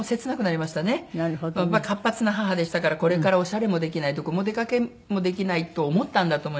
活発な母でしたからこれからオシャレもできないどこもお出かけもできないと思ったんだと思います。